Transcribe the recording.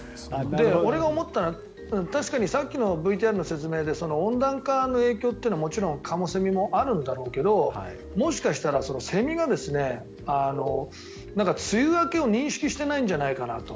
俺が思ったのは確かにさっきのＶＴＲの説明で温暖化の影響というのはもちろん蚊もセミもあるんだろうけどもしかしたらセミが梅雨明けを認識してないんじゃないかなと。